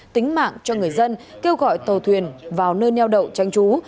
tính mạng cho người dân kêu gọi tàu thuyền vào nơi neo đậu tranh trú